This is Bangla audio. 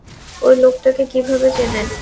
ওই লোকটাকে কীভাবে চেনেন?